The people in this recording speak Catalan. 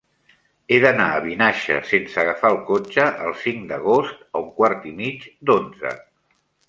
He d'anar a Vinaixa sense agafar el cotxe el cinc d'agost a un quart i mig d'onze.